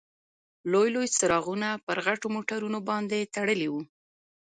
لوی لوی څراغونه پر غټو موټرونو باندې تړلي وو.